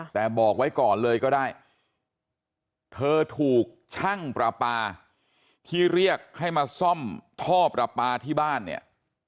แต่บอกไว้ก่อนเลยก็ได้เธอถูกช่างประปาที่เรียกให้มาซ่อมท่อประปาที่บ้านเนี่ย